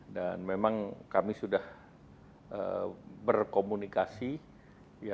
dan memang kami sudah berkomunikasi